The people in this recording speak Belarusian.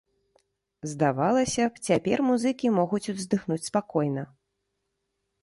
Здавалася б, цяпер музыкі могуць уздыхнуць спакойна.